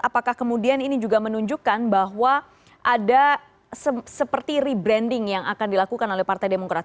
apakah kemudian ini juga menunjukkan bahwa ada seperti rebranding yang akan dilakukan oleh partai demokrat